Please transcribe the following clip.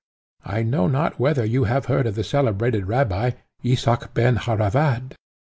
I know not whether you have heard of the celebrated rabbi, Isaac Ben Harravad.